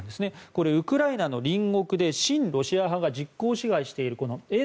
これはウクライナの隣国で親ロシア派が実効支配している沿